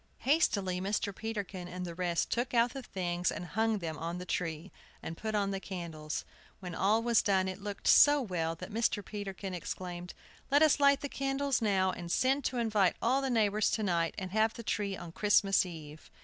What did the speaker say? Hastily Mr. Peterkin and the rest took out the things and hung them on the tree, and put on the candles. When all was done, it looked so well that Mr. Peterkin exclaimed: "Let us light the candles now, and send to invite all the neighbors to night, and have the tree on Christmas Eve!"